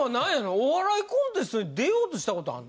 お笑いコンテストに出ようとしたことあんの？